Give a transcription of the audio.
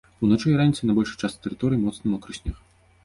Уначы і раніцай на большай частцы тэрыторыі моцны мокры снег.